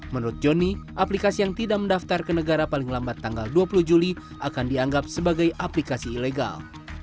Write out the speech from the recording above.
menurut joni aplikasi yang tidak mendaftar ke negara paling lambat tanggal dua puluh juli akan dianggap sebagai aplikasi ilegal